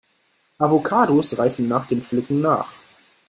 Avocados reifen nach dem Pflücken nach.